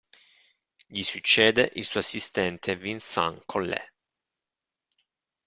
Gli succede il suo assistente Vincent Collet.